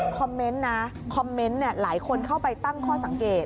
คอมเมนต์นะคอมเมนต์หลายคนเข้าไปตั้งข้อสังเกต